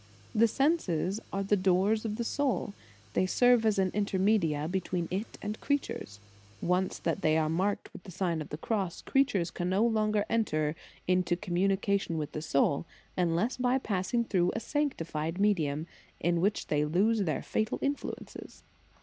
The senses are the doors of the soul; they serve as intermedia between it and creatures. Once that they are marked with the Sign of the Cross, crea tures can no longer enter into communication with the soul, unless by passing through a sanctified medium, in which they lose their fatal influences.